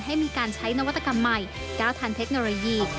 ให้มีการใช้นวัตกรรมใหม่ก้าวทันเทคโนโลยี